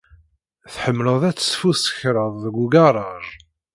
Tḥemmleḍ ad tesfuskreḍ deg ugaṛaj.